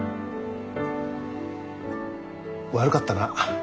悪かったな。